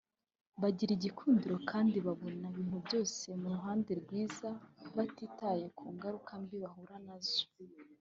bagira igikundiro kandi babona ibintu byose mu ruhande rwiza batitaye ku ngaruka mbi bahura na zo